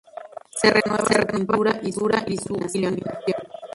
Se renueva su pintura y su iluminación.